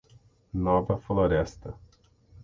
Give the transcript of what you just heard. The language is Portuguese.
Nova Floresta